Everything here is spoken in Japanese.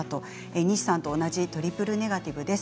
西さんと同じトリプルネガティブです。